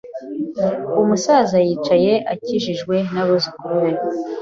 Umusaza yicaye akikijwe n'abuzukuru be.